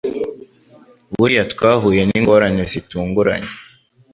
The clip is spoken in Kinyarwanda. Buriya Twahuye ningorane zitunguranye.